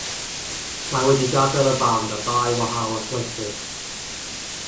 Mae wedi gadael y band ar ddau wahanol achlysur.